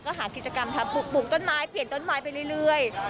ก็หากิจกรรมทำปลูกต้นไม้เปลี่ยนต้นไม้ไปเรื่อย